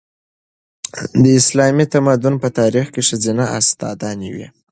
د اسلامي تمدن په تاریخ کې ښځینه استادانې وې.